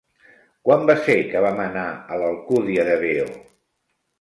Quan va ser que vam anar a l'Alcúdia de Veo?